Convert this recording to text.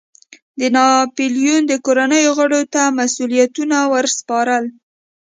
د ناپلیون د کورنیو غړو ته مسوولیتونو ور سپارل.